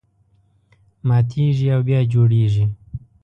ماتېږي او بیا جوړېږي.